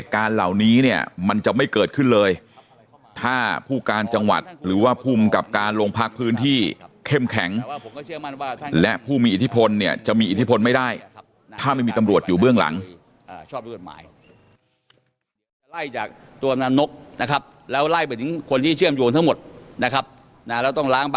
การเหล่านี้เนี่ยมันจะไม่เกิดขึ้นเลยถ้าผู้การจังหวัดหรือว่าภูมิกับการลงพักพื้นที่เข้มแข็งและผู้มีอิทธิพลเนี่ยจะมีอิทธิพลไม่ได้ถ้าไม่มีตำรวจอยู่เบื้องหลังชอบด้วยกฎหมาย